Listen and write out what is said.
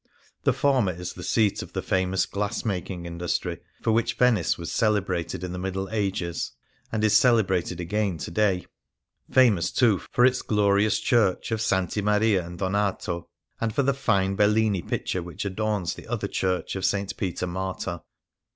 The former is the seat of the famous glassmaking industry for which Venice was celebrated in the Middle Ages, and is celebrated again to day ; famous, too, for its glorious church of SS. Maria and Donato, and for the fine Bellini picture which adorns the other church of St. Peter Martyr.